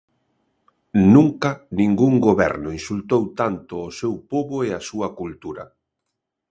Nunca ningún goberno insultou tanto o seu pobo e a súa cultura.